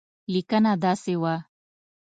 لیکنه داسې وه.